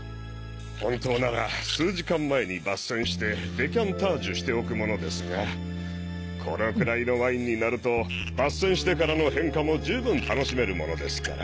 本当なら数時間前に抜栓してデキャンタージュしておくものですがこのくらいのワインになると抜栓してからの変化も十分楽しめるものですから。